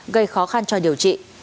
gây khó khăn cho điều trị